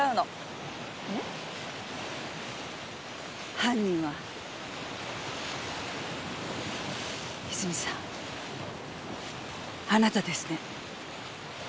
犯人は泉さんあなたですね。